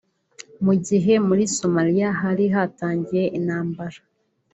Mu gihe muri Somalia hari hatangiye intambara